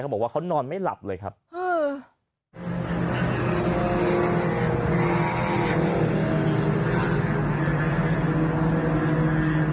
บอกว่าเขานอนไม่หลับเลยครับเออ